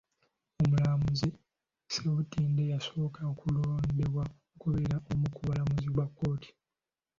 Omulamuzi Ssebutinde yasooka okulondebwa okubeera omu ku balamuzi ba kkooti .